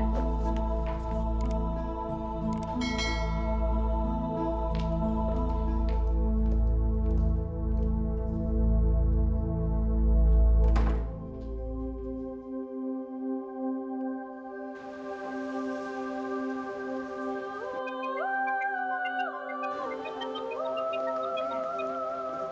mas mas bukan